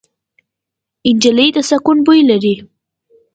نجلۍ د سکون بوی لري.